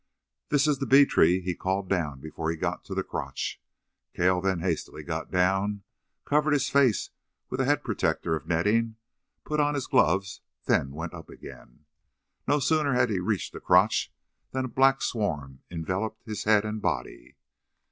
"This is the bee tree," he called down before he got to the crotch. Cale then hastily got down, covered his face with a head protector of netting, put on his gloves, then went up again. No sooner had he reached the crotch than a black swarm enveloped his head and body.